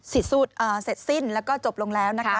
สูตรเสร็จสิ้นแล้วก็จบลงแล้วนะคะ